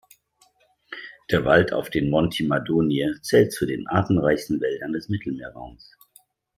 Der Wald auf den Monti Madonie zählt zu den artenreichsten Wäldern des Mittelmeerraums.